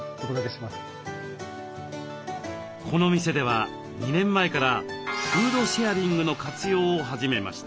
この店では２年前からフードシェアリングの活用を始めました。